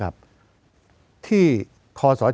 จะพิจารณาคม